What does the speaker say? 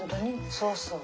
そうそう。